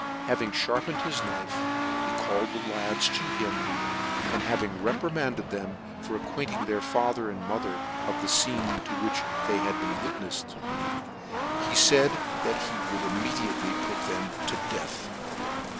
Having fharpened his knife, ne called the lads to him, and having reprimanded them for ac quainting their father and mother of the fcene to which they had been witneffes, he faid that he would immediately put them to death.